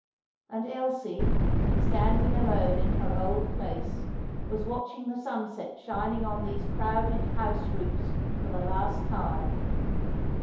And Elsie, standing alone in her old place, was watching the sunset shining on these crowded house roofs for the last time.